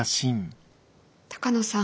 鷹野さん。